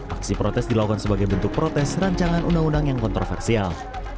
aksi protes dilakukan sebagai bentuk protes rancangan undang undang yang kontroversial